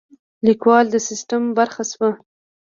لیکوال د سیستم برخه شوه.